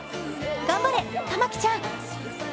頑張れ、珠季ちゃん！